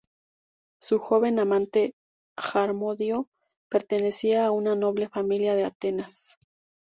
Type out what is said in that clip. Su joven amante, Harmodio, pertenecía a una noble familia de Atenas.